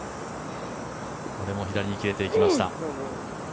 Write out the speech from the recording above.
これも左に切れていきました。